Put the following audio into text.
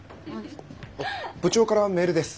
部長からメールです。